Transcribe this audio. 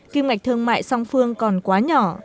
kim ngạch thương mại song phương còn quá nhỏ